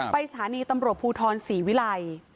สถานีตำรวจภูทรศรีวิลัย